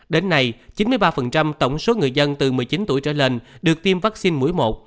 đến nay chín mươi ba tổng số người dân từ một mươi chín tuổi trở lên được tiêm vaccine mũi một